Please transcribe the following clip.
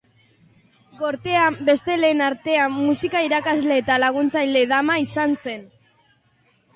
Gortean, beste lanen artean, musika irakasle eta laguntzaile-dama izan zen.